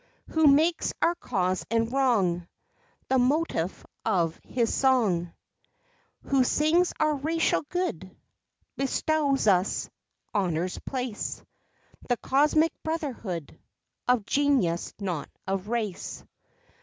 Who makes our cause and wrong The motif of his song; Who sings our racial good, Bestows us honor's place, The cosmic brotherhood Of genius not of race.